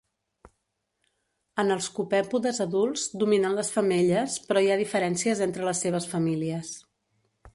En els copèpodes adults dominen les femelles però hi ha diferències entre les seves famílies.